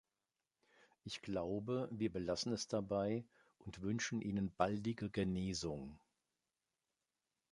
Ich glaube, wir belassen es dabei und wünschen Ihnen baldige Genesung.